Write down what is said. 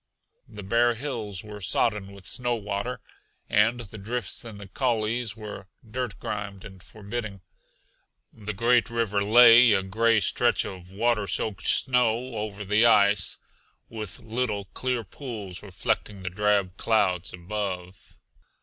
The bare hills were sodden with snow water, and the drifts in the coulees were dirt grimed and forbidding. The great river lay, a gray stretch of water soaked snow over the ice, with little, clear pools reflecting the drab clouds above.